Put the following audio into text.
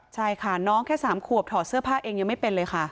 ใช่ค่ะน้องแค่๓ขวบถอดเสื้อผ้าเองยังไม่เป็นเลยค่ะ